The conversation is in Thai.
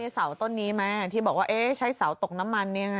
แล้วมีเสาต้นนี้ไหมที่บอกว่าเอ๊ะใช้เสาตกน้ำมันเนี่ยไง